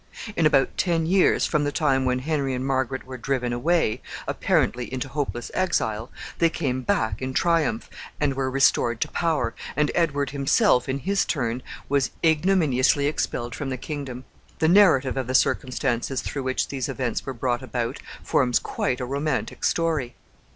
In about ten years from the time when Henry and Margaret were driven away, apparently into hopeless exile, they came back in triumph, and were restored to power, and Edward himself, in his turn, was ignominiously expelled from the kingdom. The narrative of the circumstances through which these events were brought about forms quite a romantic story.